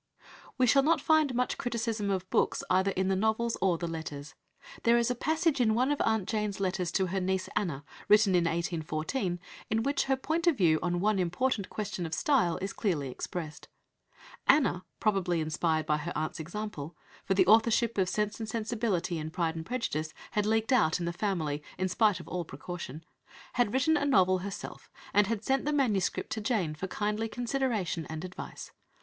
We shall not find much criticism of books either in the novels or the letters. There is a passage in one of "Aunt Jane's" letters to her niece Anna, written in 1814, in which her point of view on one important question of style is clearly expressed. Anna, probably inspired by her aunt's example for the authorship of Sense and Sensibility and Pride and Prejudice had leaked out in the family in spite of all precaution had written a novel herself, and had sent the MS. to Jane for kindly consideration and advice.